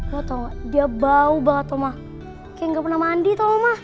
lo tau gak dia bau banget oma kayak gak pernah mandi tau oma